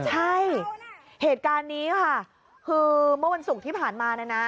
ใช่เหตุการณ์นี้คือเมื่อวันศุกร์ที่ผ่านมา